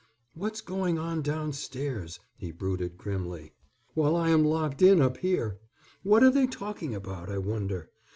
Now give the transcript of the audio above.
"What's going on downstairs," he brooded grimly, "while I am locked in up here? What are they talking about, I wonder?